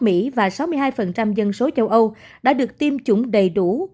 mỹ và sáu mươi hai dân số châu âu đã được tiêm chủng đầy đủ